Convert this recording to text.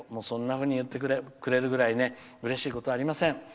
そんなふうに言ってくれるぐらいうれしいことはありません。